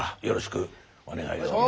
よろしくお願いを。